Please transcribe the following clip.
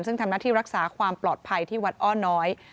ซึ่งทำหน้าที่รักษาความปลอดภัยที่วัดอ้อน้อย